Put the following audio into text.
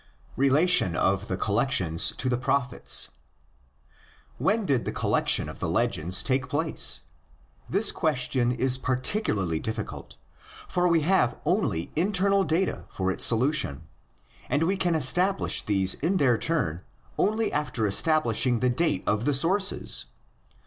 RELATION OF THE COLLECTIONS TO THE PROPHETS. When did the collection of the legends take place? This question is particularly difficult, for we have only internal data for its solution, and we can establish these in their turn only after estab lishing the date of the sources.